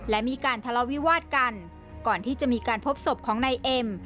และมีการทะเลาวิวาสกันก่อนที่จะมีการพบศพของนายเอ็ม